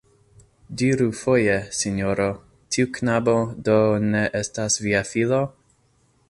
Diru foje, sinjoro, tiu knabo do ne estas via filo?